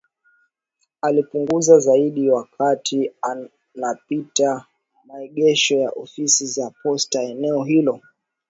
Alipunguza zaidi wakati anapita maegesho ya ofisi za posta eneo hilo